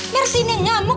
yersin yang nyamuk